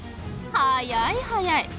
速い速い！